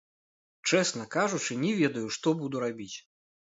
Чэсна кажучы, не ведаю, што буду рабіць.